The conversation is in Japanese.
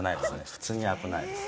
普通に危ないです